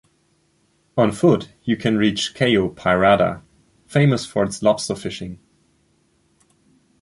On foot you can reach Cayo Pirata famous for its lobster fishing.